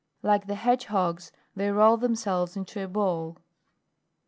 Like the hedgehogs, they roll themselves into a ball.